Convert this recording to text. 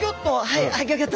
はい。